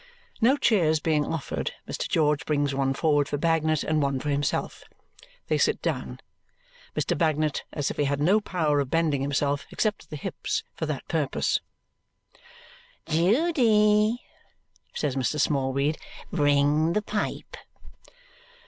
No chairs being offered, Mr. George brings one forward for Bagnet and one for himself. They sit down, Mr. Bagnet as if he had no power of bending himself, except at the hips, for that purpose. "Judy," says Mr. Smallweed, "bring the pipe."